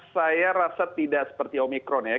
saya rasa tidak seperti omikron ya